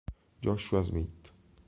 Joshua Smith